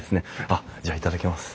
あっじゃあ頂きます。